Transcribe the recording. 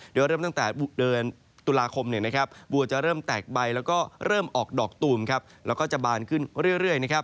เดือนตั้งแต่เดือนตุลาคมบัวจะแปลกใบและก็จะออกดอกตูนแล้วก็จะบานขึ้นเรื่อย